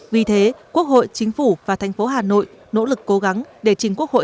vì thế quốc hội chính phủ và thành phố hà nội nỗ lực cố gắng để chính quốc hội